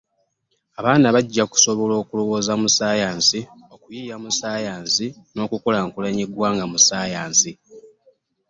Abaana bajja kusobola okulowooza mu ssaayansi okuyiiya mu ssaayansi n’okukulaakulanya eggwanga mu ssaayansi.